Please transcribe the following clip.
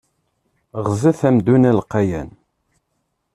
Ɣzet amdun alqayan.